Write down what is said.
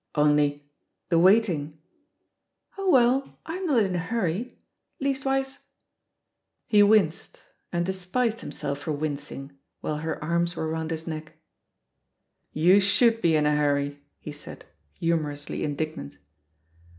^Only the waiting.^ 'Oh, well, I'm not in a hurry I Leastwise He winced, and despised himself for wincing while her arms were round his neck. "You should be in a hurry," he said, humorously in dignant.